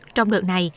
trong đợt này